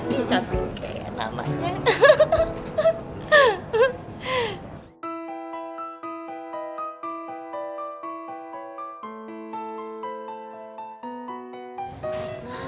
ini cantik kayak namanya